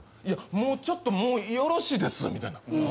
「いやちょっともうよろしいです」みたいな。